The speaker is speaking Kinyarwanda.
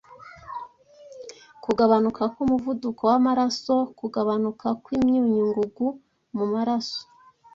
kugabanuka k’umuvuduko w’amaraso kugabanuka kw’imyunyu ngugu mu maraso